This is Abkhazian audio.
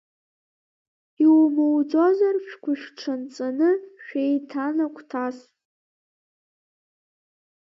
Иумуӡозар, шәгәышәҽанҵаны шәеиҭанагәҭас!